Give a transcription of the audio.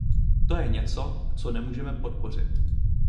To je něco, co nemůžeme podpořit.